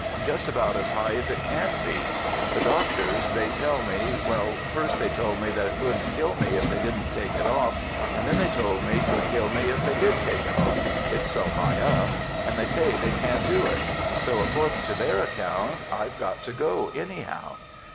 "Just about as high as it can be; the doctors, they tell me,—well, first they told me that 'twould kill me if they didn't take it off, and then they told me 'twould kill me if they did take it off, it's so high up, they say they can't do it. So, accordin' to their account, I've got to go anyhow.